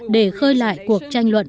để khơi lại cuộc tranh luận